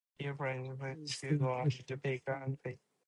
He is said to have studied with Gilbert Stuart and Rembrandt Peale.